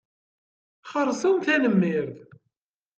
Xeṛṣum tanemmirt.